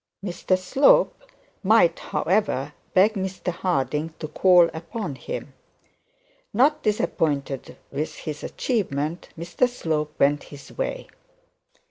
Mr Slope, might, however, beg Mr Harding to call upon him. Not disappointed with his achievement Mr Slope went his way.